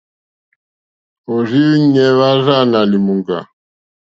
Òrzìɲɛ́ hwá rzâ nà lìmùŋɡà.